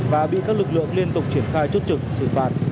và bị các lực lượng liên tục triển khai chốt trực xử phạt